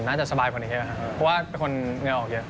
น่าจะสบายกว่านี้ค่ะเพราะว่าเป็นคนเงินออกเยอะ